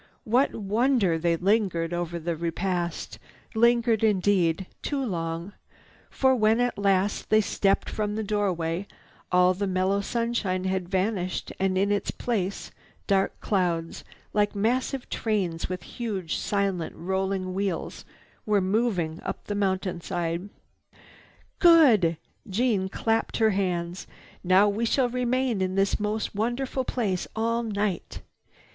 What wonder they lingered over the repast—lingered indeed too long, for, when at last they stepped from the doorway all the mellow sunshine had vanished and in its place dark clouds, like massive trains with huge silently rolling wheels were moving up the mountainside. "Good!" Jeanne clapped her hands. "Now we shall remain in this most wonderful place all night.